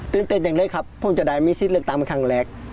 ตื่นเต้นเลยครับพร้อมจะได้มีสิทธิ์เลือกตังเป็นทางแรก